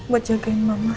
buat jagain mama